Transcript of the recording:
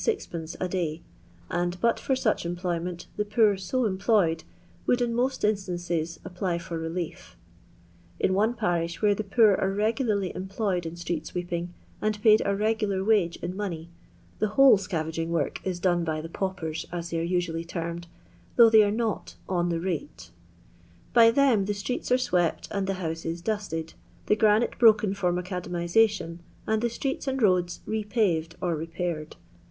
6d^A day, and, but for such employment, the poor so employed, would, iu most instances, apply for reliefl In one parish, where the poor are r^gulariy employed in street sweeping, and paid a regular wage in money, the whole scavaging work is dona by the paupers, as they are usnafly termed, though they are not " on the rate." By them the streets are swept and the houaef dusted, the granite broken for macadamixation, and the streets and roads repaved or repaired.